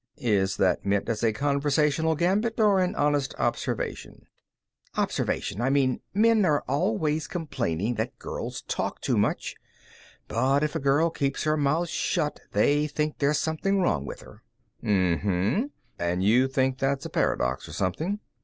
"Is that meant as a conversational gambit, or an honest observation?" "Observation. I mean, men are always complaining that girls talk too much, but if a girl keeps her mouth shut, they think there's something wrong with her." "Uh huh. And you think that's a paradox or something?"